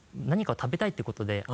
何か食べたいっていうことで。